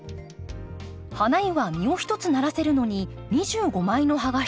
ハナユは実を１つならせるのに２５枚の葉が必要。